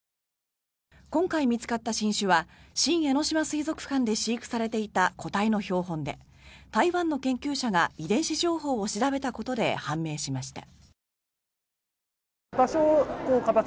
今回見つかった新種は新江ノ島水族館で飼育されていた個体の標本で、台湾の研究者が遺伝子情報を調べたことで判明しました。